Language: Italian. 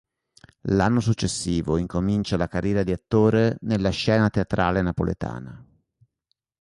L'anno successivo incomincia la carriera di attore nella scena teatrale napoletana.